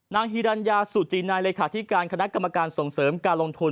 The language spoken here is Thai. ฮิรัญญาสุจินัยเลขาธิการคณะกรรมการส่งเสริมการลงทุน